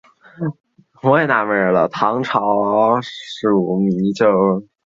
唐朝羁縻州。